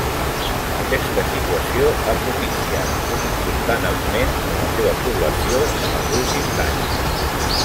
Aquesta situació ha propiciat un important augment en la seva població en els últims anys.